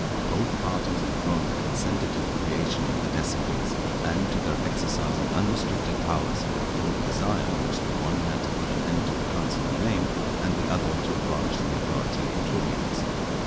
Both parties in Rome consented to the creation of the decemvirs, and to their exercising unrestricted powers, from the desire which the one had to put an end to the consular name, and the other to abolish the authority of the tribunes.